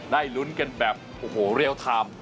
ลุ้นกันแบบโอ้โหเรียลไทม์